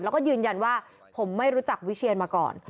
แล้วก็ยืนยันว่าผมไม่รู้จักวิเชียนมาก่อน